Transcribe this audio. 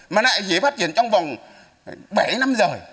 mà lại dễ phát triển trong vòng bảy năm rồi